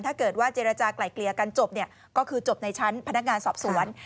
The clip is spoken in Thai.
ถ้าเกิดว่าเจรจากลายเกลี่ยกันจบก็คือจบในชั้นพนักงานสอบสวน